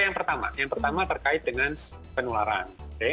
yang pertama yang pertama terkait dengan penularan